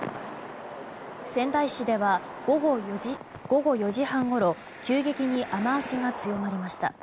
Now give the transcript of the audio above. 仙台市では午後４時半ごろ急激に雨脚が強まりました。